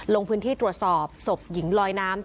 ลงพื้นที่ตรวจสอบศพหญิงลอยน้ำ